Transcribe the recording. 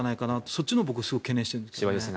そっちのほうが僕はすごく懸念しているんです。